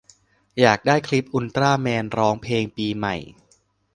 อยากได้คลิปอุลตร้าแมนร้องเพลงปีใหม่